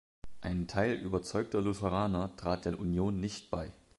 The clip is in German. Ein Teil überzeugter Lutheraner trat der Union nicht bei.